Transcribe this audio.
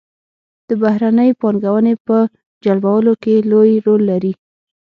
د بهرنۍ پانګونې په جلبولو کې لوی رول لري.